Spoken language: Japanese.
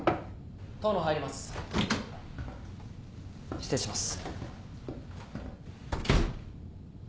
失礼します。